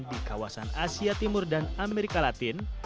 di kawasan asia timur dan amerika latin